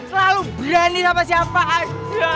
selalu berani sama siapa aja